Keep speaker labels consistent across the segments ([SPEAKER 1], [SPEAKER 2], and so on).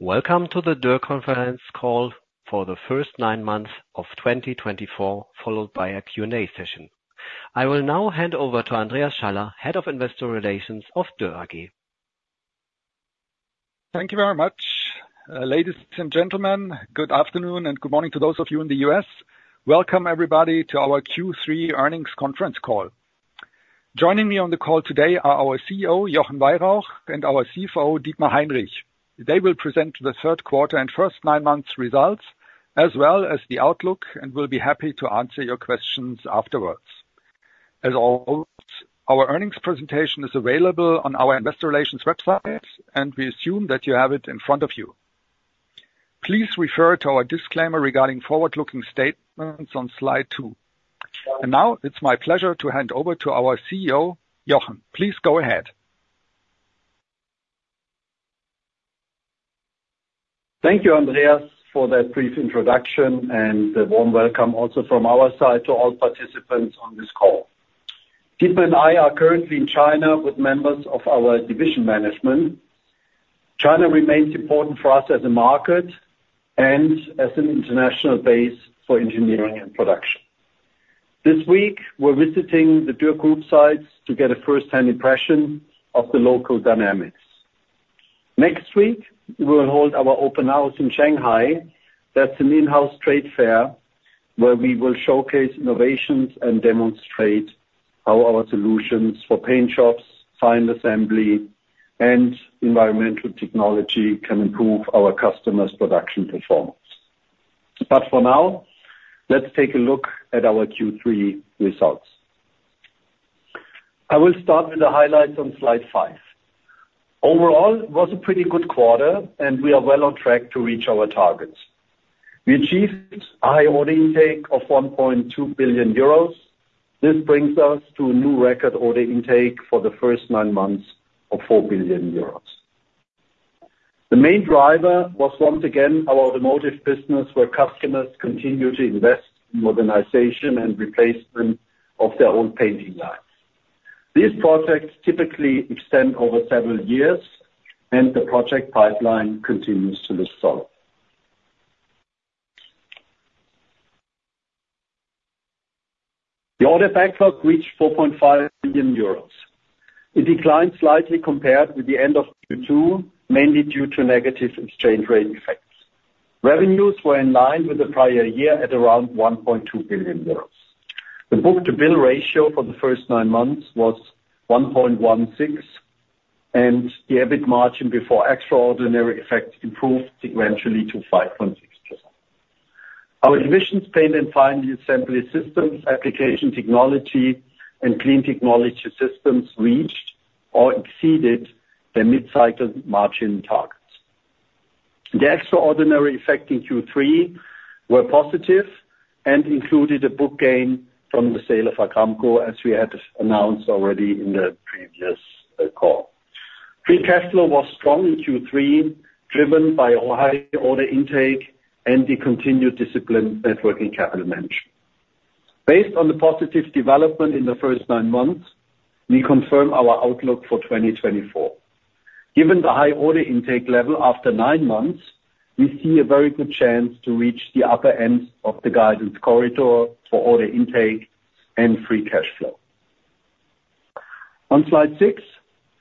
[SPEAKER 1] Welcome to the Dürr Conference Call for the First Nine Months of 2024, followed by a Q&A session. I will now hand over to Andreas Schaller, Head of Investor Relations of Dürr AG.
[SPEAKER 2] Thank you very much, ladies and gentlemen. Good afternoon and good morning to those of you in the US. Welcome, everybody, to our Q3 earnings conference call. Joining me on the call today are our CEO, Jochen Weyrauch, and our CFO, Dietmar Heinrich. They will present the third quarter and first nine months results, as well as the outlook, and will be happy to answer your questions afterwards. As always, our earnings presentation is available on our Investor Relations website, and we assume that you have it in front of you. Please refer to our disclaimer regarding forward-looking statements on slide two. And now, it's my pleasure to hand over to our CEO, Jochen. Please go ahead.
[SPEAKER 3] Thank you, Andreas, for that brief introduction and the warm welcome also from our side to all participants on this call. Dietmar and I are currently in China with members of our division management. China remains important for us as a market and as an international base for engineering and production. This week, we're visiting the Dürr Group sites to get a first-hand impression of the local dynamics. Next week, we will hold our open house in Shanghai. That's an in-house trade fair where we will showcase innovations and demonstrate how our solutions for paint and final assembly, and environmental technology can improve our customers' production performance. But for now, let's take a look at our Q3 results. I will start with the highlights on slide five. Overall, it was a pretty good quarter, and we are well on track to reach our targets. We achieved a high order intake of 1.2 billion euros. This brings us to a new record order intake for the first nine months of 4 billion euros. The main driver was, once again, our automotive business, where customers continue to invest in modernization and replacement of their old painting lines. These projects typically extend over several years, and the project pipeline continues to be solid. The order backlog reached 4.5 billion euros. It declined slightly compared with the end of Q2, mainly due to negative exchange rate effects. Revenues were in line with the prior year at around 1.2 billion euros. The book-to-bill ratio for the first nine months was 1.16, and the EBIT margin before extraordinary effects improved sequentially to 5.6%. Our division's Paint and Final Assembly Systems, Application Technology, and Clean Technology Systems reached or exceeded their mid-cycle margin targets. The extraordinary effect in Q3 was positive and included a book gain from the sale of Agramkow, as we had announced already in the previous call. Free cash flow was strong in Q3, driven by a high order intake and the continued discipline at working capital management. Based on the positive development in the first nine months, we confirm our outlook for 2024. Given the high order intake level after nine months, we see a very good chance to reach the upper end of the guidance corridor for order intake and free cash flow. On slide six,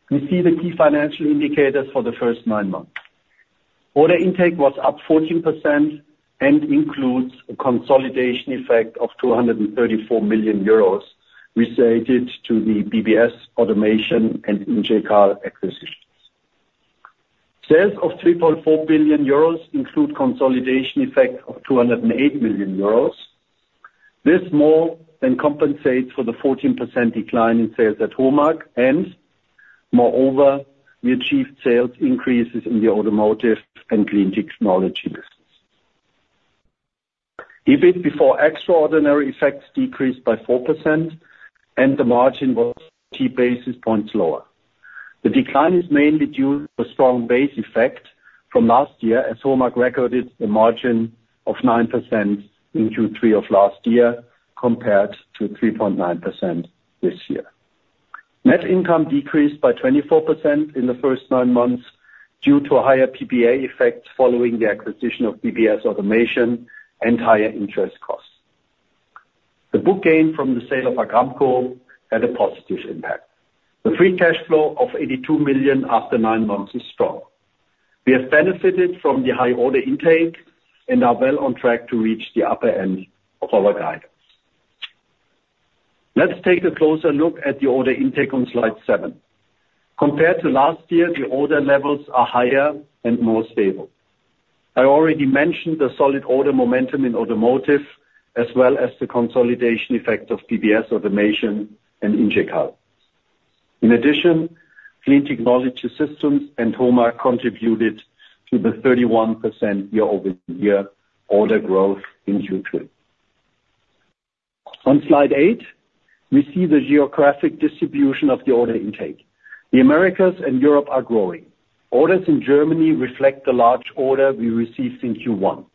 [SPEAKER 3] we see the key financial indicators for the first nine months. Order intake was up 14% and includes a consolidation effect of 234 million euros related to the BBS Automation and in-vehicle acquisitions. Sales of 3.4 billion euros include a consolidation effect of 208 million euros. This more than compensates for the 14% decline in sales at HOMAG, and moreover, we achieved sales increases in the automotive and clean technology business. EBIT before extraordinary effects decreased by 4%, and the margin was 80 basis points lower. The decline is mainly due to a strong base effect from last year, as HOMAG recorded a margin of 9% in Q3 of last year compared to 3.9% this year. Net income decreased by 24% in the first nine months due to a higher PPA effect following the acquisition of BBS Automation and higher interest costs. The book gain from the sale of Agramkow had a positive impact. The free cash flow of 82 million after nine months is strong. We have benefited from the high order intake and are well on track to reach the upper end of our guidance. Let's take a closer look at the order intake on slide seven. Compared to last year, the order levels are higher and more stable. I already mentioned the solid order momentum in automotive, as well as the consolidation effect of BBS Automation and in-vehicle. In addition, Clean Technology Systems and HOMAG contributed to the 31% year-over-year order growth in Q3. On slide eight, we see the geographic distribution of the order intake. The Americas and Europe are growing. Orders in Germany reflect the large order we received in Q1.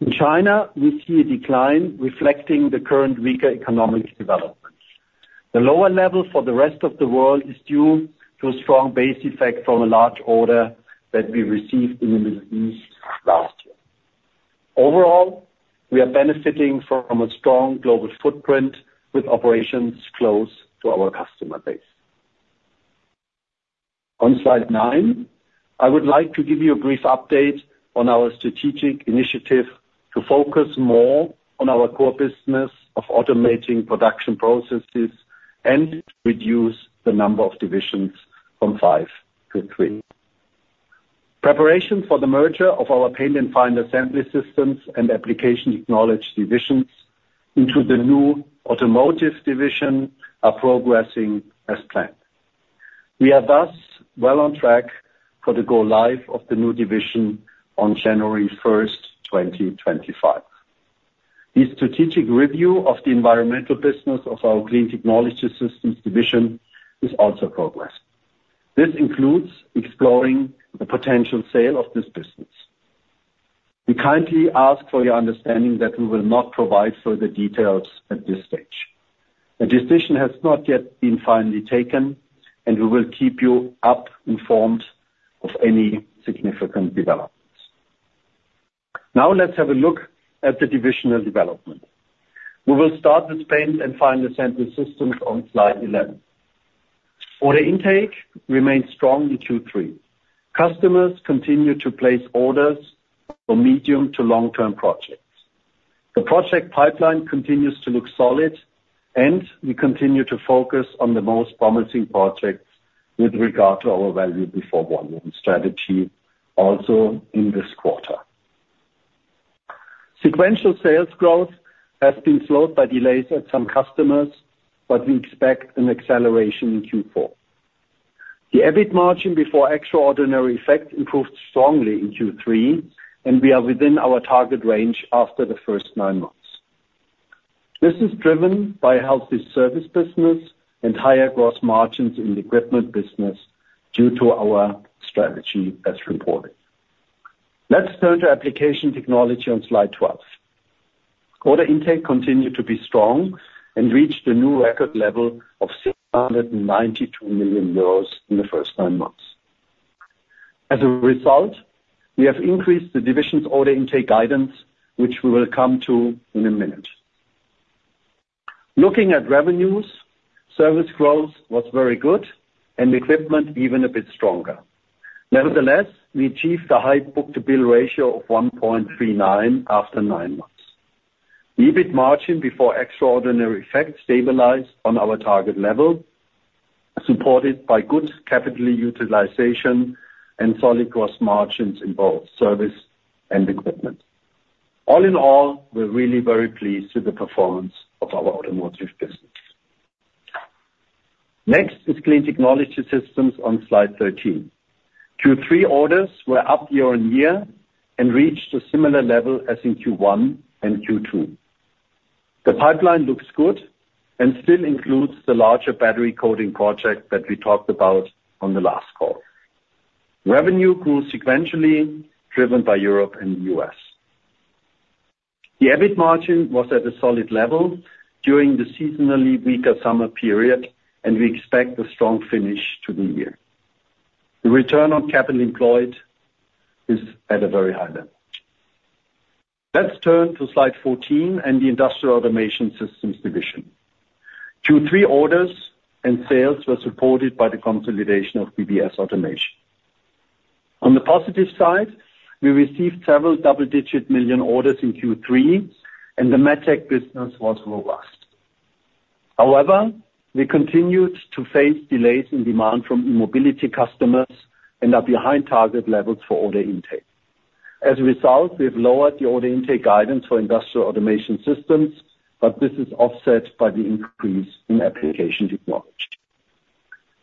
[SPEAKER 3] In China, we see a decline reflecting the current weaker economic development. The lower level for the rest of the world is due to a strong base effect from a large order that we received in the Middle East last year. Overall, we are benefiting from a strong global footprint with operations close to our customer base. On slide nine, I would like to give you a brief update on our strategic initiative to focus more on our core business of automating production processes and reduce the number of divisions from five to three. Preparations for the merger of our Paint and Final Assembly Systems and Application Technology divisions into the new automotive division are progressing as planned. We are thus well on track for the go-live of the new division on January 1st, 2025. The strategic review of the environmental technology business of our Clean Technology Systems division is also progressing. This includes exploring the potential sale of this business. We kindly ask for your understanding that we will not provide further details at this stage. A decision has not yet been finally taken, and we will keep you informed of any significant developments. Now, let's have a look at the divisional development. We will start with Paint and Final Assembly Systems on slide 11. Order intake remains strong in Q3. Customers continue to place orders for medium to long-term projects. The project pipeline continues to look solid, and we continue to focus on the most promising projects with regard to our value before volume strategy also in this quarter. Sequential sales growth has been slowed by delays at some customers, but we expect an acceleration in Q4. The EBIT margin before extraordinary effect improved strongly in Q3, and we are within our target range after the first nine months. This is driven by healthy service business and higher gross margins in the equipment business due to our strategy as reported. Let's turn to Application Technology on slide 12. Order intake continued to be strong and reached a new record level of 692 million euros in the first nine months. As a result, we have increased the division's order intake guidance, which we will come to in a minute. Looking at revenues, service growth was very good, and equipment even a bit stronger. Nevertheless, we achieved a high book-to-bill ratio of 1.39 after nine months. EBIT margin before extraordinary effect stabilized on our target level, supported by good capital utilization and solid gross margins in both service and equipment. All in all, we're really very pleased with the performance of our automotive business. Next is Clean Technology Systems on slide 13. Q3 orders were up year-on-year and reached a similar level as in Q1 and Q2. The pipeline looks good and still includes the larger battery coating project that we talked about on the last call. Revenue grew sequentially, driven by Europe and the U.S. The EBIT margin was at a solid level during the seasonally weaker summer period, and we expect a strong finish to the year. The return on capital employed is at a very high level. Let's turn to slide 14 and the Industrial Automation Systems Division. Q3 orders and sales were supported by the consolidation of BBS Automation. On the positive side, we received several double-digit million orders in Q3, and the medtech business was robust. However, we continued to face delays in demand from mobility customers and are behind target levels for order intake. As a result, we have lowered the order intake guidance for Industrial Automation Systems, but this is offset by the increase in Application Technology.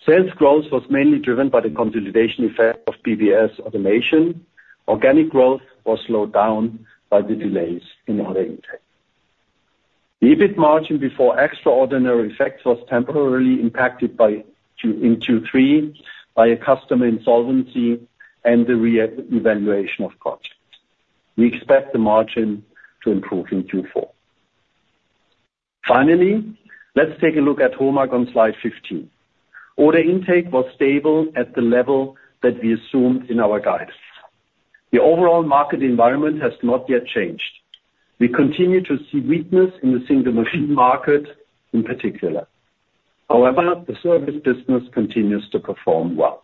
[SPEAKER 3] Sales growth was mainly driven by the consolidation effect of BBS Automation. Organic growth was slowed down by the delays in order intake. The EBIT margin before extraordinary effects was temporarily impacted in Q3 by a customer insolvency and the reevaluation of projects. We expect the margin to improve in Q4. Finally, let's take a look at HOMAG on slide 15. Order intake was stable at the level that we assumed in our guidance. The overall market environment has not yet changed. We continue to see weakness in the single machine market in particular. However, the service business continues to perform well.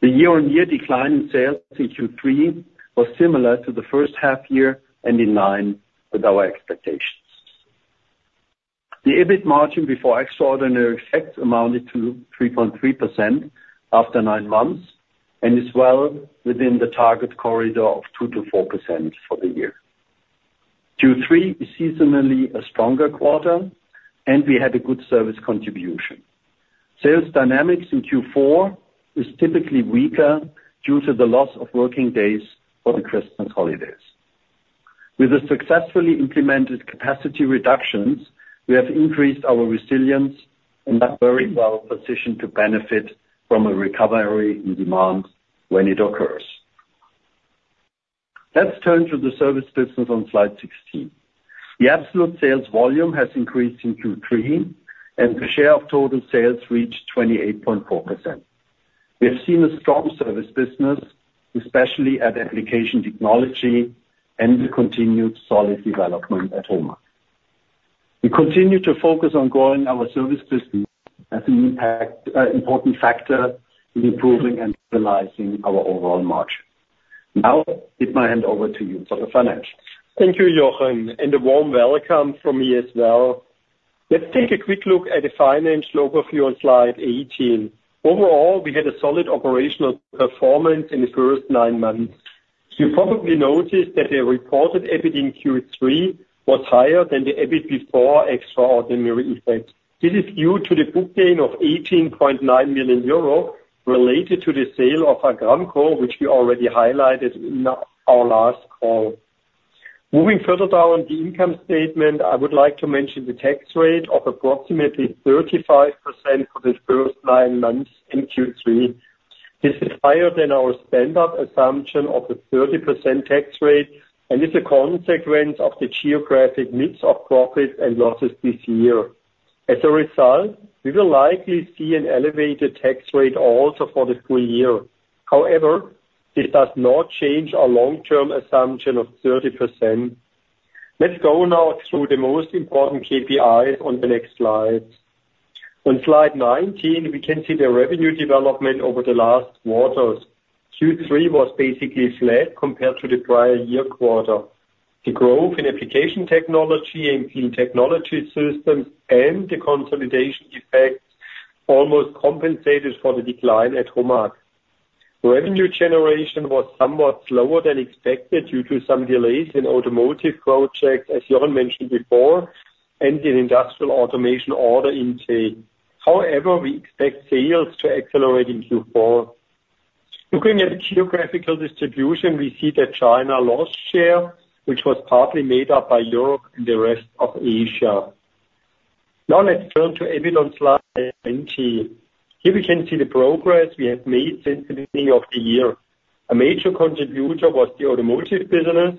[SPEAKER 3] The year-on-year decline in sales in Q3 was similar to the first half year and in line with our expectations. The EBIT margin before extraordinary effects amounted to 3.3% after nine months and is well within the target corridor of 2%-4% for the year. Q3 is seasonally a stronger quarter, and we had a good service contribution. Sales dynamics in Q4 is typically weaker due to the loss of working days for the Christmas holidays. With the successfully implemented capacity reductions, we have increased our resilience and are very well positioned to benefit from a recovery in demand when it occurs. Let's turn to the service business on slide 16. The absolute sales volume has increased in Q3, and the share of total sales reached 28.4%. We have seen a strong service business, especially at Application Technology, and we continued solid development at HOMAG. We continue to focus on growing our service business as an important factor in improving and stabilizing our overall margin. Now, I'd like to hand over to you for the financials.
[SPEAKER 4] Thank you, Jochen, and a warm welcome from me as well. Let's take a quick look at the financial overview on slide 18. Overall, we had a solid operational performance in the first nine months. You probably noticed that the reported EBIT in Q3 was higher than the EBIT before extraordinary effects. This is due to the book gain of 18.9 million euro related to the sale of Agramkow, which we already highlighted in our last call. Moving further down the income statement, I would like to mention the tax rate of approximately 35% for the first nine months in Q3. This is higher than our standard assumption of a 30% tax rate and is a consequence of the geographic mix of profits and losses this year. As a result, we will likely see an elevated tax rate also for the full year. However, this does not change our long-term assumption of 30%. Let's go now through the most important KPIs on the next slides. On slide 19, we can see the revenue development over the last quarters. Q3 was basically flat compared to the prior year quarter. The growth in Application Technology and Clean Technology Systems and the consolidation effects almost compensated for the decline at HOMAG. Revenue generation was somewhat slower than expected due to some delays in automotive projects, as Jochen mentioned before, and in industrial automation order intake. However, we expect sales to accelerate in Q4. Looking at the geographical distribution, we see that China lost share, which was partly made up by Europe and the rest of Asia. Now, let's turn to EBIT on slide 19. Here we can see the progress we have made since the beginning of the year. A major contributor was the automotive business.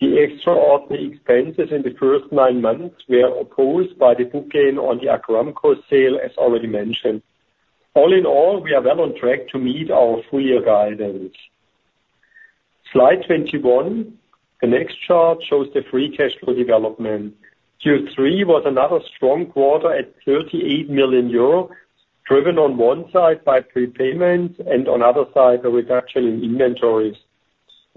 [SPEAKER 4] The extraordinary expenses in the first nine months were opposed by the book gain on the Agramkow sale, as already mentioned. All in all, we are well on track to meet our full-year guidance. Slide 21, the next chart shows the free cash flow development. Q3 was another strong quarter at 38 million euro, driven on one side by prepayments and on the other side a reduction in inventories.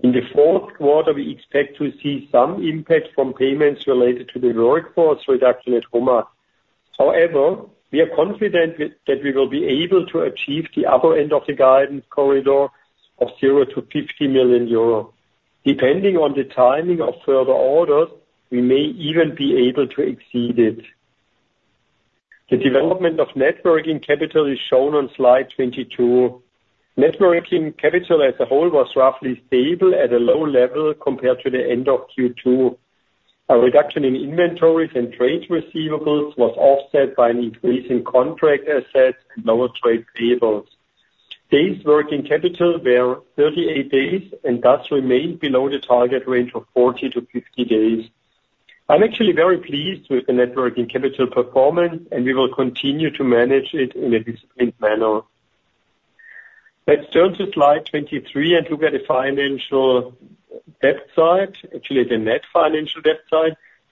[SPEAKER 4] In the fourth quarter, we expect to see some impact from payments related to the workforce reduction at HOMAG. However, we are confident that we will be able to achieve the upper end of the guidance corridor of 0-50 million euro. Depending on the timing of further orders, we may even be able to exceed it. The development of net working capital is shown on slide 22. Net working capital as a whole was roughly stable at a low level compared to the end of Q2. A reduction in inventories and trade receivables was offset by an increase in contract assets and lower trade payables. Days working capital were 38 days and thus remained below the target range of 40 to 50 days. I'm actually very pleased with the net working capital performance, and we will continue to manage it in a disciplined manner. Let's turn to slide 23 and look at the net financial debt, actually the net financial debt.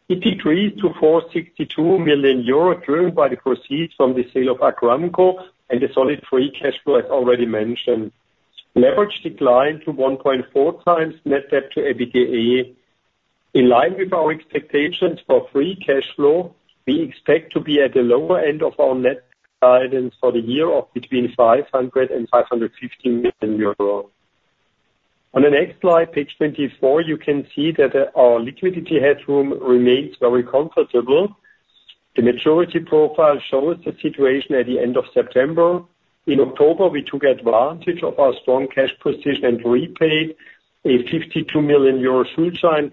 [SPEAKER 4] It decreased to 462 million euros driven by the proceeds from the sale of Agramkow and the solid free cash flow as already mentioned. Leverage declined to 1.4 times net debt to EBITDA. In line with our expectations for free cash flow, we expect to be at the lower end of our net guidance for the year of between 500 and 550 million euros. On the next slide, page 24, you can see that our liquidity headroom remains very comfortable. The maturity profile shows the situation at the end of September. In October, we took advantage of our strong cash position and repaid a 52 million euro Schuldschein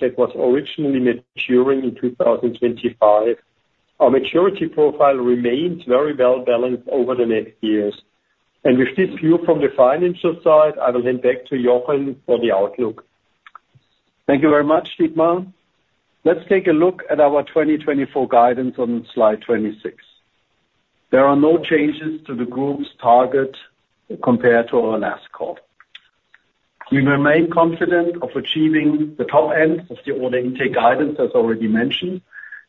[SPEAKER 4] that was originally maturing in 2025. Our maturity profile remains very well balanced over the next years. And with this view from the financial side, I will hand back to Jochen for the outlook.
[SPEAKER 3] Thank you very much, Dietmar. Let's take a look at our 2024 guidance on slide 26. There are no changes to the group's target compared to our last call. We remain confident of achieving the top end of the order intake guidance as already mentioned.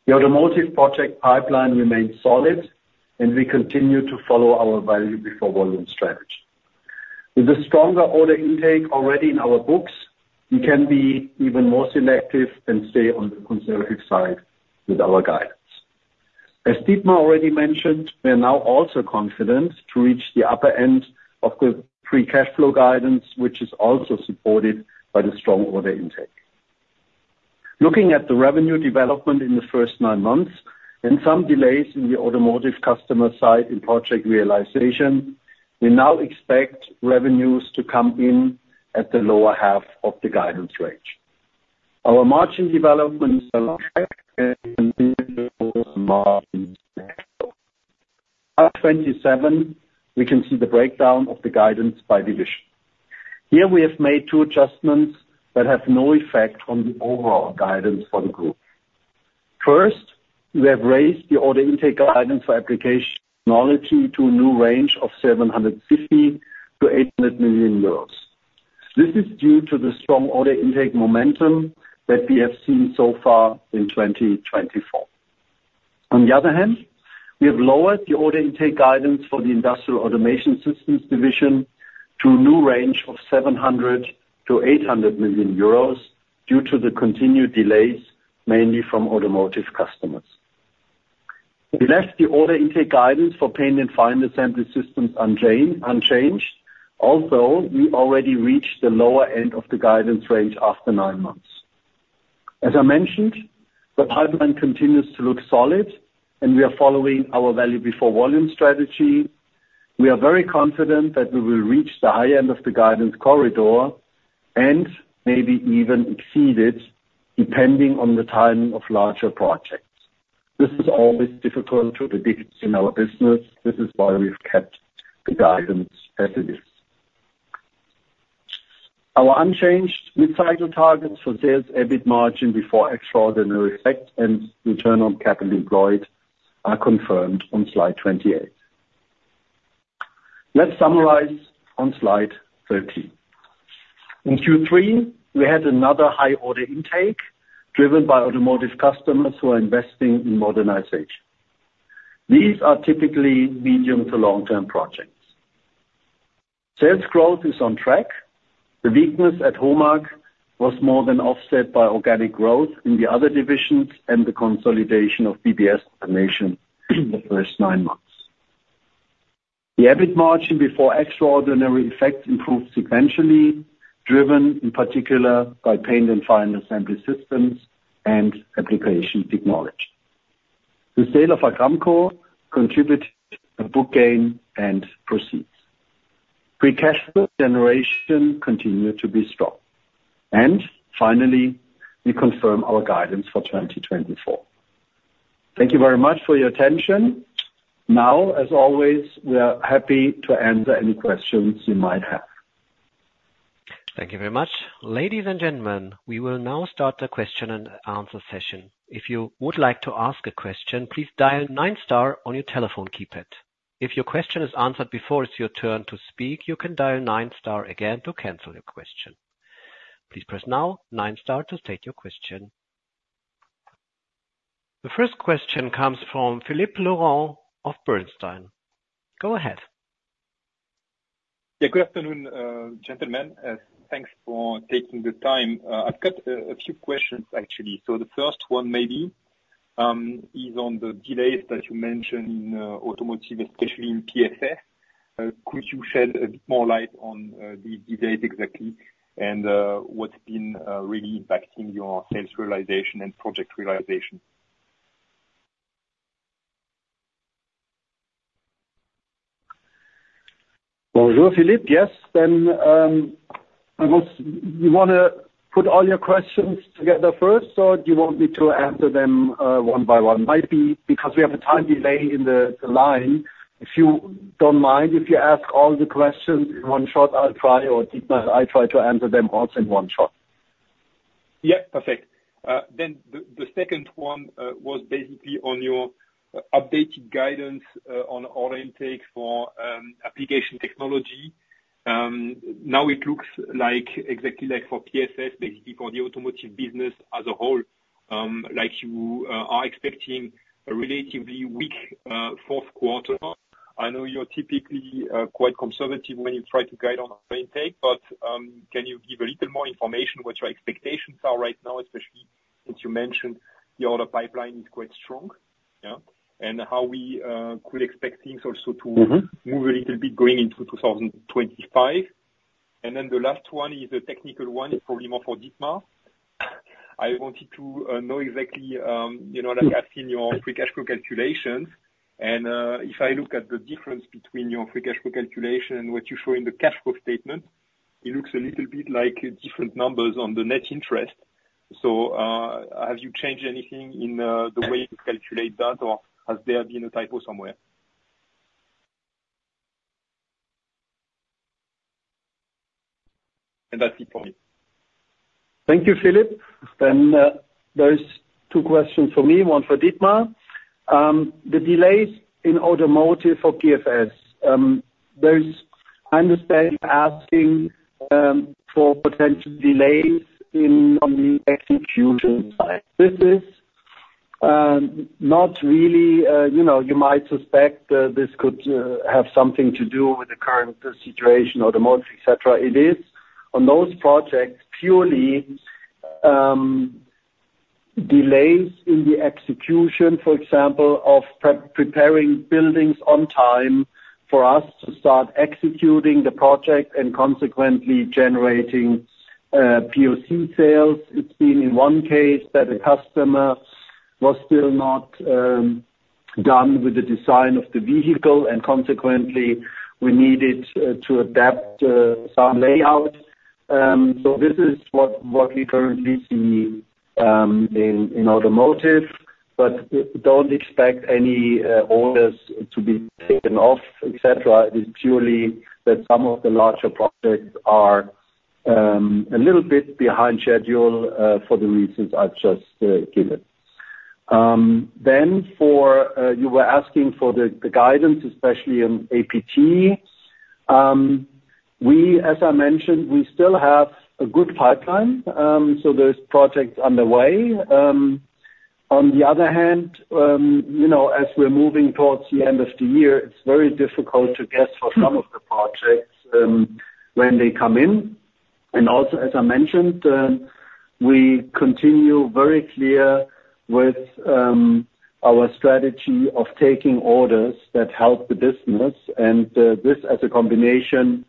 [SPEAKER 3] The automotive project pipeline remains solid, and we continue to follow our value before volume strategy. With a stronger order intake already in our books, we can be even more selective and stay on the conservative side with our guidance. As Dietmar already mentioned, we are now also confident to reach the upper end of the free cash flow guidance, which is also supported by the strong order intake. Looking at the revenue development in the first nine months and some delays in the automotive customer side in project realization, we now expect revenues to come in at the lower half of the guidance range. Our margin development is aligned with the margins. At 27, we can see the breakdown of the guidance by division. Here, we have made two adjustments that have no effect on the overall guidance for the group. First, we have raised the order intake guidance for Application Technology to a new range of 750-800 million euros. This is due to the strong order intake momentum that we have seen so far in 2024. On the other hand, we have lowered the order intake guidance for the Industrial Automation Systems Division to a new range of 700-800 million euros due to the continued delays, mainly from automotive customers. We left the order intake guidance for Paint and Final Assembly Systems unchanged, although we already reached the lower end of the guidance range after nine months. As I mentioned, the pipeline continues to look solid, and we are following our value before volume strategy. We are very confident that we will reach the high end of the guidance corridor and maybe even exceed it, depending on the timing of larger projects. This is always difficult to predict in our business. This is why we've kept the guidance as it is. Our unchanged mid-cycle targets for sales EBIT margin before extraordinary effect and return on capital employed are confirmed on slide 28. Let's summarize on slide 13. In Q3, we had another high order intake driven by automotive customers who are investing in modernization. These are typically medium to long-term projects. Sales growth is on track. The weakness at HOMAG was more than offset by organic growth in the other divisions and the consolidation of BBS Automation in the first nine months. The EBIT margin before extraordinary effects improved sequentially, driven in particular by Paint and Final Assembly Systems and Application Technology. The sale of Agramkow contributed to the book gain and proceeds. Free cash flow generation continued to be strong. And finally, we confirm our guidance for 2024. Thank you very much for your attention. Now, as always, we are happy to answer any questions you might have.
[SPEAKER 1] Thank you very much. Ladies and gentlemen, we will now start the question and answer session. If you would like to ask a question, please dial nine star on your telephone keypad. If your question is answered before it's your turn to speak, you can dial nine star again to cancel your question. Please press now nine star to state your question. The first question comes from Philippe Lorrain of Bernstein. Go ahead.
[SPEAKER 5] Yeah, good afternoon, gentlemen. Thanks for taking the time. I've got a few questions, actually. So the first one maybe is on the delays that you mentioned in automotive, especially in PFS. Could you shed a bit more light on these delays exactly and what's been really impacting your sales realization and project realization?
[SPEAKER 3] Bonjour Philippe, yes. You want to put all your questions together first, or do you want me to answer them one by one? Might be because we have a time delay in the line. If you don't mind, if you ask all the questions in one shot, I'll try, or Dietmar, I'll try to answer them also in one shot.
[SPEAKER 5] Yeah, perfect. Then the second one was basically on your updated guidance on order intake for Application Technology. Now it looks exactly like for PFS, basically for the automotive business as a whole. You are expecting a relatively weak fourth quarter. I know you're typically quite conservative when you try to guide on order intake, but can you give a little more information on what your expectations are right now, especially since you mentioned the order pipeline is quite strong, and how we could expect things also to move a little bit going into 2025? And then the last one is a technical one, probably more for Dietmar. I wanted to know exactly, like I've seen your free cash flow calculations, and if I look at the difference between your free cash flow calculation and what you show in the cash flow statement, it looks a little bit like different numbers on the net interest. So have you changed anything in the way you calculate that, or has there been a typo somewhere? And that's it for me.
[SPEAKER 3] Thank you, Philippe. Then there's two questions for me, one for Dietmar. The delays in automotive for PFS, there's understandable asking for potential delays on the execution side. This is not really, you might suspect this could have something to do with the current situation, automotive, etc. It is, on those projects, purely delays in the execution, for example, of preparing buildings on time for us to start executing the project and consequently generating POC sales. It's been in one case that a customer was still not done with the design of the vehicle, and consequently, we needed to adapt some layout, so this is what we currently see in automotive, but don't expect any orders to be taken off, etc. It is purely that some of the larger projects are a little bit behind schedule for the reasons I've just given, then for you were asking for the guidance, especially on APT. As I mentioned, we still have a good pipeline, so there's projects underway. On the other hand, as we're moving towards the end of the year, it's very difficult to guess for some of the projects when they come in, and also, as I mentioned, we continue very clear with our strategy of taking orders that help the business. And this, as a combination,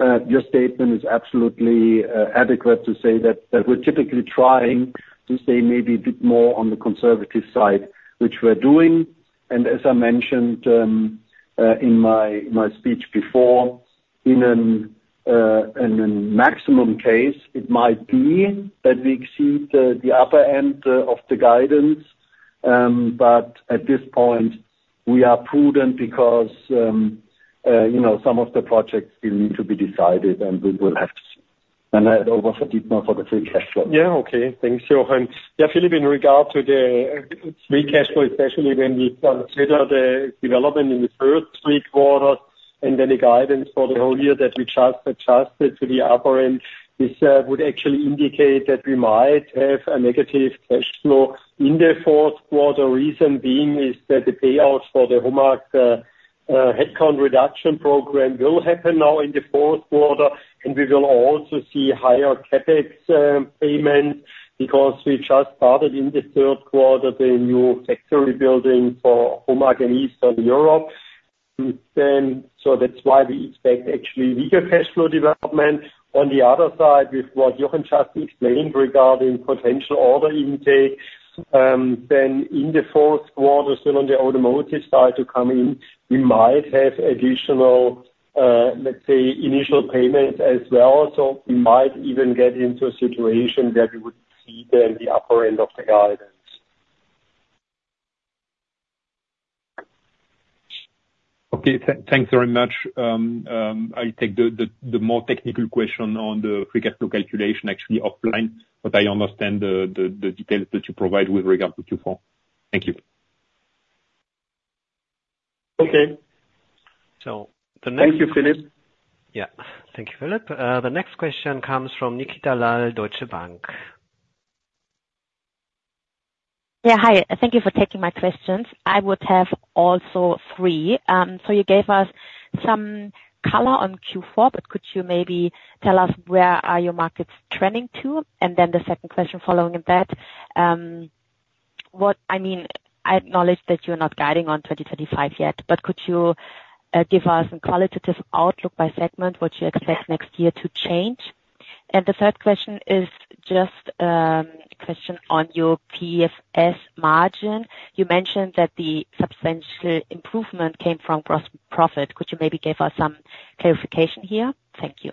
[SPEAKER 3] your statement is absolutely adequate to say that we're typically trying to stay maybe a bit more on the conservative side, which we're doing. And as I mentioned in my speech before, in a maximum case, it might be that we exceed the upper end of the guidance, but at this point, we are prudent because some of the projects still need to be decided, and we will have to see. And I hand over to Dietmar for the free cash flow.
[SPEAKER 4] Yeah, okay. Thanks, Jochen. Yeah, Philippe, in regard to the free cash flow, especially when we consider the development in the first three quarters and then the guidance for the whole year that we just adjusted to the upper end, this would actually indicate that we might have a negative cash flow in the fourth quarter. Reason being is that the payout for the HOMAG headcount reduction program will happen now in the fourth quarter, and we will also see higher CapEx payment because we just started in the third quarter the new factory building for HOMAG in Eastern Europe. So that's why we expect actually weaker cash flow development. On the other side, with what Jochen just explained regarding potential order intake, then in the fourth quarter, still on the automotive side to come in, we might have additional, let's say, initial payments as well. So we might even get into a situation that we would see then the upper end of the guidance.
[SPEAKER 5] Okay, thanks very much. I'll take the more technical question on the free cash flow calculation actually offline, but I understand the details that you provide with regard to Q4. Thank you.
[SPEAKER 4] Okay.
[SPEAKER 1] So the next question.
[SPEAKER 3] Thank you, Philippe.
[SPEAKER 1] Yeah, thank you, Philippe. The next question comes from Nikita Lal, Deutsche Bank.
[SPEAKER 6] Yeah, hi. Thank you for taking my questions. I would have also three. So you gave us some color on Q4, but could you maybe tell us where are your markets trending to? And then the second question following that, I mean, I acknowledge that you're not guiding on 2025 yet, but could you give us a qualitative outlook by segment, what you expect next year to change? And the third question is just a question on your PFS margin. You mentioned that the substantial improvement came from gross profit. Could you maybe give us some clarification here? Thank you.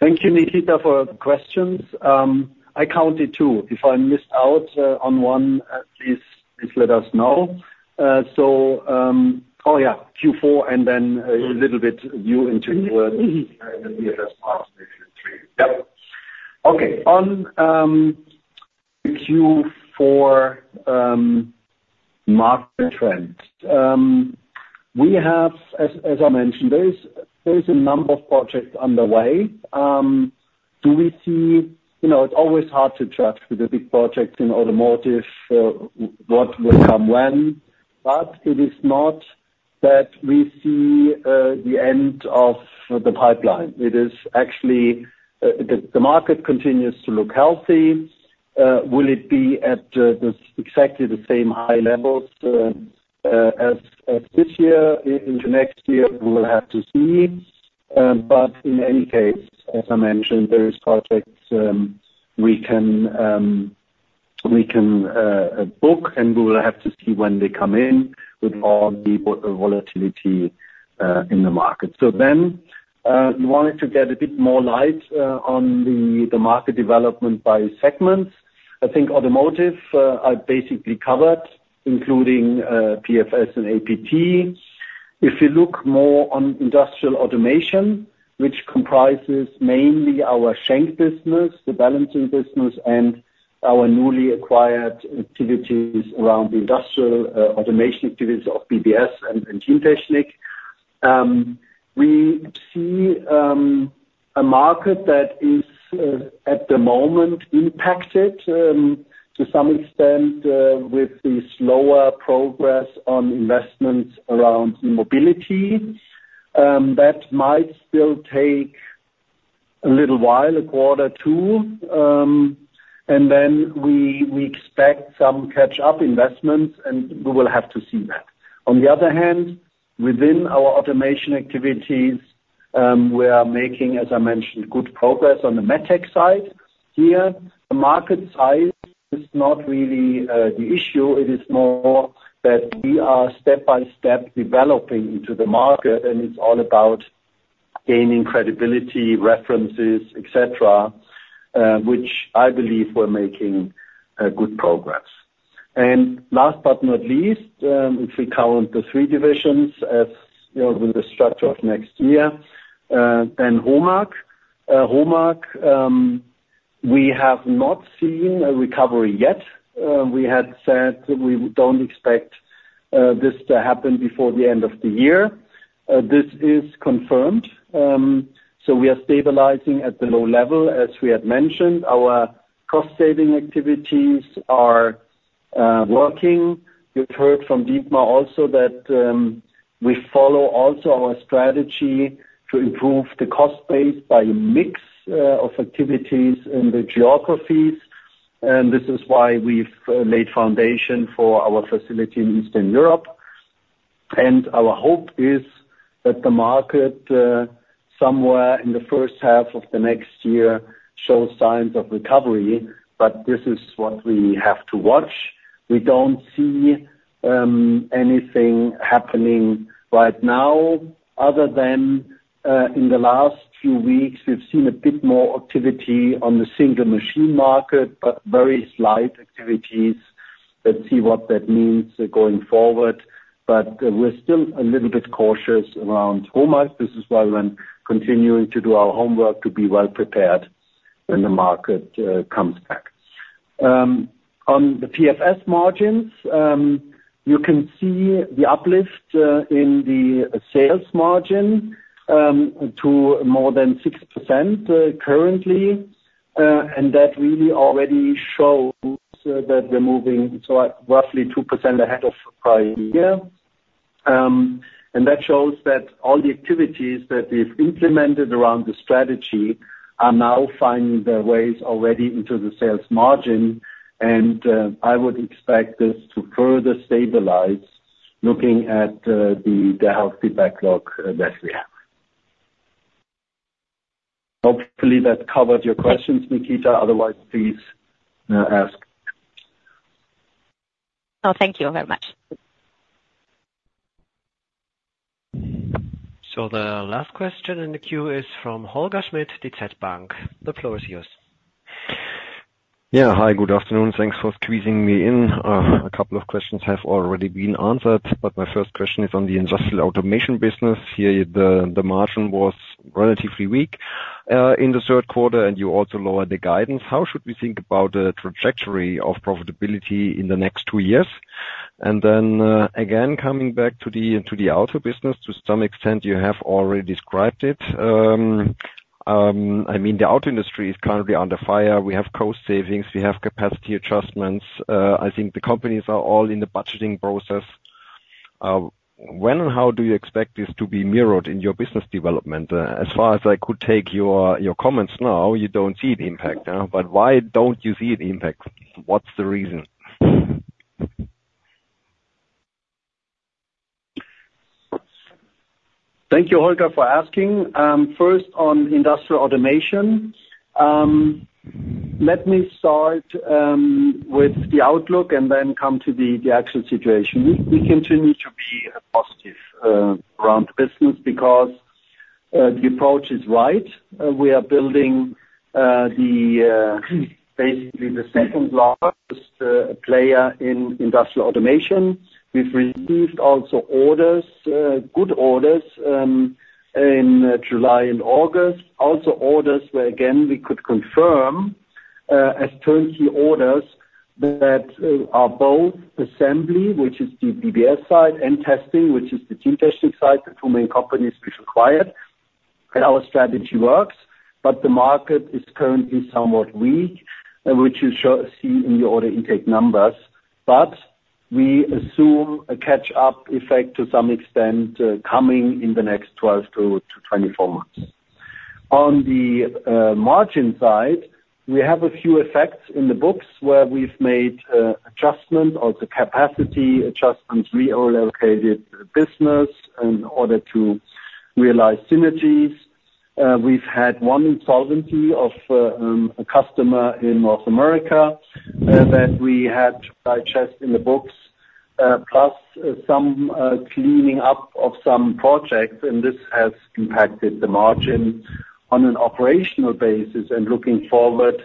[SPEAKER 3] Thank you, Nikita, for questions. I counted two. If I missed out on one, please let us know. So, oh yeah, Q4 and then a little bit you into PFS margin Q3. Yep. Okay. On the Q4 market trend, we have, as I mentioned, there is a number of projects underway. Do we see it? It's always hard to judge with the big projects in automotive, what will come when, but it is not that we see the end of the pipeline. It is actually the market continues to look healthy. Will it be at exactly the same high levels as this year? In the next year, we will have to see. But in any case, as I mentioned, there are projects we can book, and we will have to see when they come in with all the volatility in the market. So then I wanted to get a bit more light on the market development by segments. I think automotive I basically covered, including PFS and APT. If you look more on industrial automation, which comprises mainly our Schenck business, the balancing business, and our newly acquired activities around the industrial automation activities of BBS and Teamtechnik, we see a market that is at the moment impacted to some extent with the slower progress on investments around mobility. That might still take a little while, a quarter or two, and then we expect some catch-up investments, and we will have to see that. On the other hand, within our automation activities, we are making, as I mentioned, good progress on the medtech side here. The market size is not really the issue. It is more that we are step by step developing into the market, and it's all about gaining credibility, references, etc., which I believe we're making good progress. And last but not least, if we count the three divisions with the structure of next year, then HOMAG. HOMAG, we have not seen a recovery yet. We had said we don't expect this to happen before the end of the year. This is confirmed. So we are stabilizing at the low level, as we had mentioned. Our cost-saving activities are working. You've heard from Dietmar also that we follow also our strategy to improve the cost base by a mix of activities in the geographies. And this is why we've laid foundation for our facility in Eastern Europe. And our hope is that the market somewhere in the first half of the next year shows signs of recovery, but this is what we have to watch. We don't see anything happening right now other than in the last few weeks, we've seen a bit more activity on the single machine market, but very slight activities. Let's see what that means going forward. But we're still a little bit cautious around HOMAG. This is why we're continuing to do our homework to be well prepared when the market comes back.
[SPEAKER 4] On the PFS margins, you can see the uplift in the sales margin to more than 6% currently, and that really already shows that we're moving roughly 2% ahead of prior year. And that shows that all the activities that we've implemented around the strategy are now finding their ways already into the sales margin, and I would expect this to further stabilize looking at the healthy backlog that we have.
[SPEAKER 3] Hopefully, that covered your questions, Nikita. Otherwise, please ask.
[SPEAKER 6] No, thank you very much.
[SPEAKER 1] So the last question in the queue is from Holger Schmidt, DZ BANK. The floor is yours.
[SPEAKER 7] Yeah, hi, good afternoon. Thanks for squeezing me in. A couple of questions have already been answered, but my first question is on the industrial automation business. Here, the margin was relatively weak in the third quarter, and you also lowered the guidance. How should we think about the trajectory of profitability in the next two years? And then again, coming back to the auto business, to some extent, you have already described it. I mean, the auto industry is currently under fire. We have cost savings. We have capacity adjustments. I think the companies are all in the budgeting process. When and how do you expect this to be mirrored in your business development? As far as I could take your comments now, you don't see the impact, but why don't you see the impact? What's the reason?
[SPEAKER 3] Thank you, Holger, for asking. First, on industrial automation, let me start with the outlook and then come to the actual situation. We continue to be positive around the business because the approach is right. We are building basically the second-largest player in industrial automation. We've received also good orders in July and August. Also orders where, again, we could confirm as turnkey orders that are both assembly, which is the BBS side, and testing, which is the Teamtechnik side, the two main companies we've acquired. Our strategy works, but the market is currently somewhat weak, which you see in the order intake numbers. But we assume a catch-up effect to some extent coming in the next 12-24 months. On the margin side, we have a few effects in the books where we've made adjustments, also capacity adjustments, reallocated business in order to realize synergies. We've had one insolvency of a customer in North America that we had to digest in the books, plus some cleaning up of some projects, and this has impacted the margin on an operational basis. And looking forward,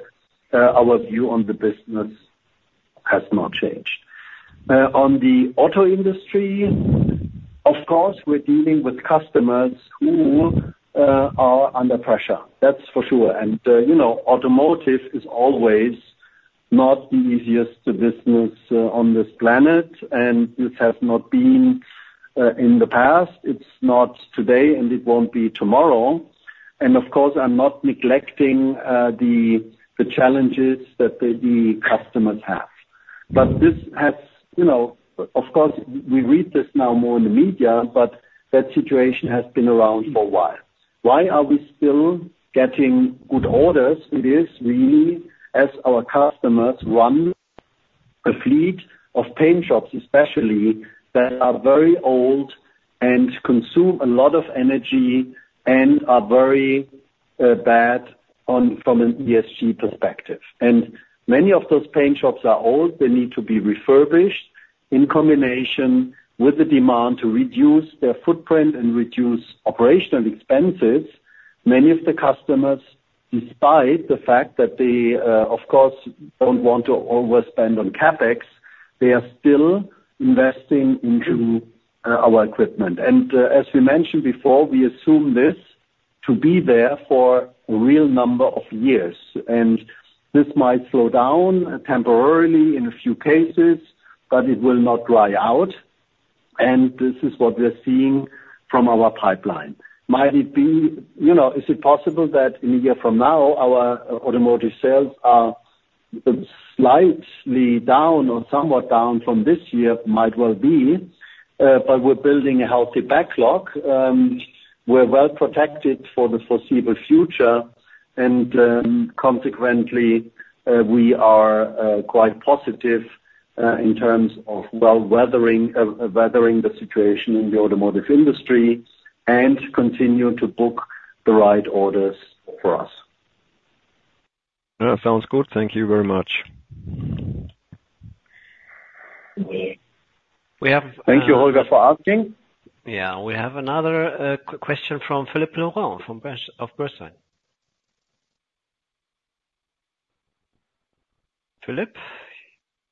[SPEAKER 3] our view on the business has not changed. On the auto industry, of course, we're dealing with customers who are under pressure. That's for sure. And automotive is always not the easiest business on this planet, and this has not been in the past. It's not today, and it won't be tomorrow. And of course, I'm not neglecting the challenges that the customers have. But this has, of course, we read this now more in the media, but that situation has been around for a while. Why are we still getting good orders? It is really as our customers run a fleet of paint shops, especially that are very old and consume a lot of energy and are very bad from an ESG perspective. And many of those paint shops are old. They need to be refurbished in combination with the demand to reduce their footprint and reduce operational expenses. Many of the customers, despite the fact that they, of course, don't want to overspend on CapEx, they are still investing into our equipment. And as we mentioned before, we assume this to be there for a real number of years. And this might slow down temporarily in a few cases, but it will not dry out. And this is what we're seeing from our pipeline. Might it be? Is it possible that in a year from now, our automotive sales are slightly down or somewhat down from this year? Might well be, but we're building a healthy backlog. We're well protected for the foreseeable future, and consequently, we are quite positive in terms of well weathering the situation in the automotive industry and continue to book the right orders for us.
[SPEAKER 7] That sounds good. Thank you very much.
[SPEAKER 3] Thank you, Holger, for asking.
[SPEAKER 1] Yeah, we have another question from Philippe Lorrain of Bernstein. Philip,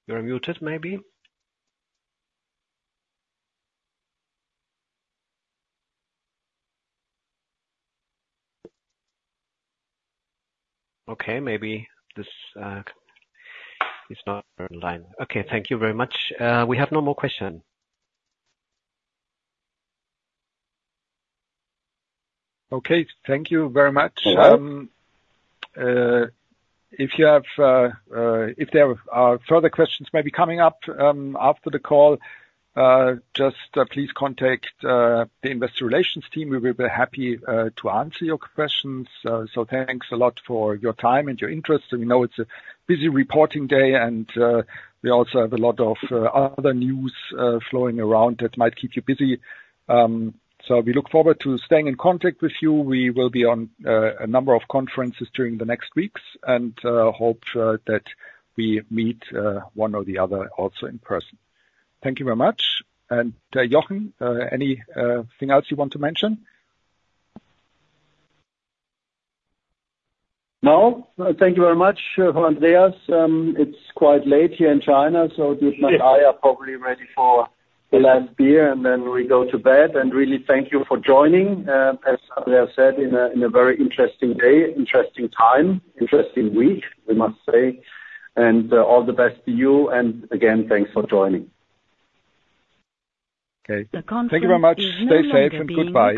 [SPEAKER 1] you're muted maybe? Okay, maybe this is not online. Okay, thank you very much. We have no more questions.
[SPEAKER 2] Okay, thank you very much. If there are further questions maybe coming up after the call, just please contact the investor relations team. We will be happy to answer your questions. So thanks a lot for your time and your interest. We know it's a busy reporting day, and we also have a lot of other news flowing around that might keep you busy. So we look forward to staying in contact with you. We will be on a number of conferences during the next weeks and hope that we meet one or the other also in person. Thank you very much. And Jochen, anything else you want to mention?
[SPEAKER 3] No, thank you very much, Andreas. It's quite late here in China, so Dietmar and I are probably ready for a last beer, and then we go to bed. And really, thank you for joining, as Andreas said, in a very interesting day, interesting time, interesting week, we must say. And all the best to you. And again, thanks for joining.
[SPEAKER 2] Okay. Thank you very much. Stay safe and goodbye.